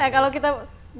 nah kalau kita bisa